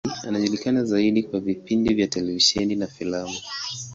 Anajulikana zaidi kwa vipindi vya televisheni na filamu.